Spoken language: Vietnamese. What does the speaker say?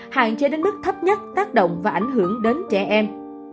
hạn chế đến mức thấp nhất tác động và ảnh hưởng đến trẻ em